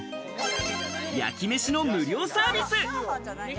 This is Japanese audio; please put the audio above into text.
焼きめしの無料サービス。